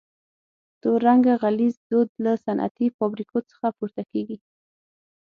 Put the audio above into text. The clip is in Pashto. تور رنګه غلیظ دود له صنعتي فابریکو څخه پورته کیږي.